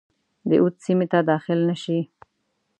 د اود سیمي ته داخل نه شي.